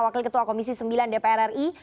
wakil ketua komisi sembilan dpr ri